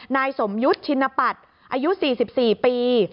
นายสมยุทธ์ชินปัตย์อายุ๔๔ปี